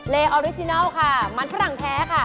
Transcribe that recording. ออริจินัลค่ะมันฝรั่งแท้ค่ะ